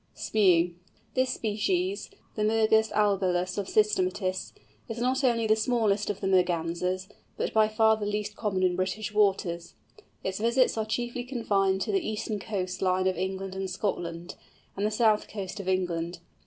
SMEW. This species, the Mergus albellus of systematists, is not only the smallest of the Mergansers, but by far the least common in British waters. Its visits are chiefly confined to the eastern coast line of England and Scotland and the south coast of England.